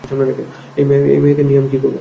এই মেয়ে কে নিয়ে আমি কি করবো।